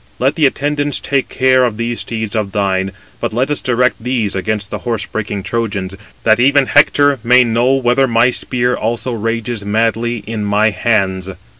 Let the attendants take care of those steeds [of thine], but let us direct these against the horse breaking Trojans, that even Hector may know whether my spear also rages madly in my hands."